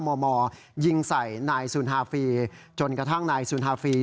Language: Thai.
มมยิงใส่นายสุนฮาฟีจนกระทั่งนายสุนทาฟี